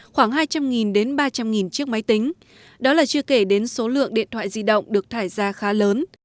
khoảng hai trăm linh đến ba trăm linh chiếc máy tính đó là chưa kể đến số lượng điện thoại di động được thải ra khá lớn